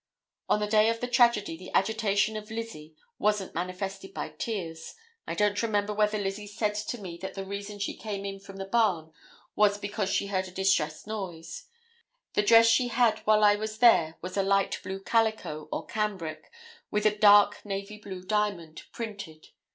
On the day of the tragedy the agitation of Lizzie wasn't manifested by tears; I don't remember whether Lizzie said to me that the reason she came in from the barn was because she heard a distressed noise; the dress she had while I was there was a light blue calico or cambric with a dark navy blue diamond, printed.